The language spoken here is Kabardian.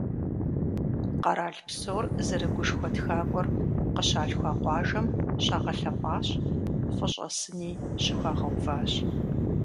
Къэрал псор зэрыгушхуэ тхакӏуэр къыщалъхуа къуажэм щагъэлъэпӏащ, фӏыщӏэ сыни щыхуагъэуващ.